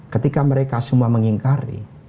ketika mereka semua mengingkari